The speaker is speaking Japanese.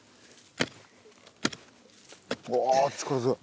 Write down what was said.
うわ力強い。